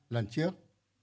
một mươi ba lần trước